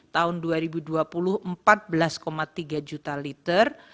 tahun dua ribu dua puluh empat belas tiga juta liter